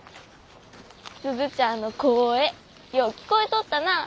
鈴ちゃんの声よう聞こえとったなあ。